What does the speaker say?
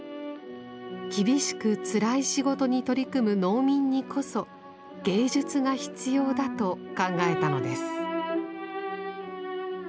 厳しくつらい仕事に取り組む農民にこそ芸術が必要だと考えたのです。